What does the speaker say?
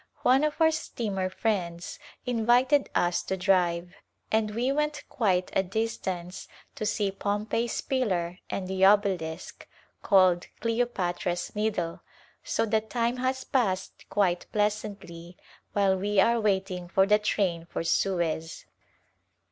One of our steamer friends invited us to drive, and we went quite a distance to see Pompey's Pillar and the Obelisk, called Cleopatra's Needle, so the time has passed quite pleasantly while we are wait ing for the train for Suez.